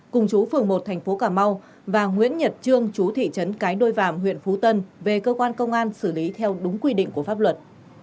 cùng chú phường một tp cm và nguyễn nhật trương chú thị trấn cái đôi vảm huyện phú tân về cơ quan công an xử lý theo đúng quy định của pháp luật